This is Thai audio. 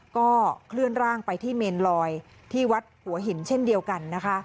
ก็เคลื่อนร่างไปที่เมนลอยที่วัดหัวหินเช่นเดียวกันนะคะ